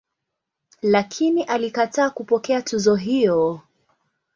Lakini alikataa kupokea tuzo hiyo.